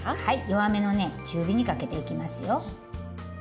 はい弱めの中火にかけていきますよ。